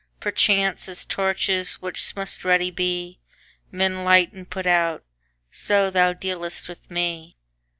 Perchance, as torches, which must ready be, Men light and put out, so thou dealst with me.